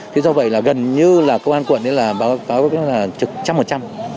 thế do vậy là gần như là công an quận là báo cáo là trực trăm một trăm